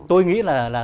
tôi nghĩ là